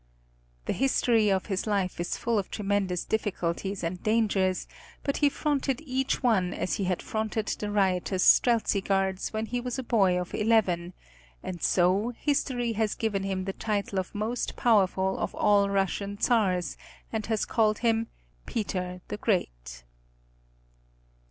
The history of his life is full of tremendous difficulties and dangers, but he fronted each one as he had fronted the riotous Streltsi Guards when he was a boy of eleven, and so history has given him the title of most powerful of all Russian Czars and has called him "Peter the Great."